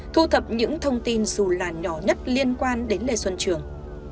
thu thập những thông tin dù là nhỏ nhất liên quan đến lê xuân trường